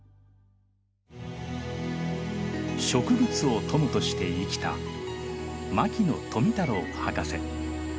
植物を友として生きた牧野富太郎博士。